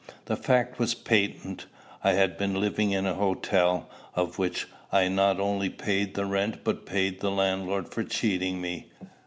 The fact was patent: I had been living in a hotel, of which I not only paid the rent, but paid the landlord for cheating me.